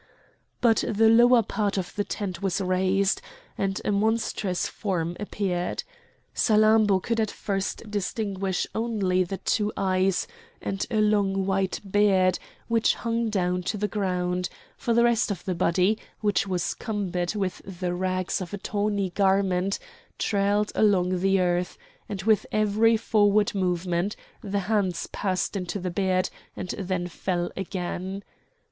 But the lower part of the tent was raised, and a monstrous form appeared. Salammbô could at first distinguish only the two eyes and a long white beard which hung down to the ground; for the rest of the body, which was cumbered with the rags of a tawny garment, trailed along the earth; and with every forward movement the hands passed into the beard and then fell again.